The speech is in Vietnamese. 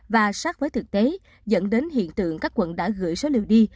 và sát với thực tế dẫn đến hiện tượng các quận đã gửi số liều đi